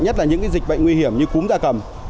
nhất là những dịch bệnh nguy hiểm như cúm da cầm